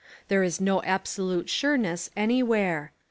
There is no absolute sureness anywhere.